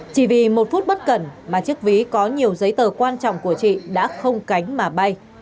chỉ vì một phút bất cẩn mà chiếc ví có nhiều giấy tờ quan trọng của chị đã không cánh mà bay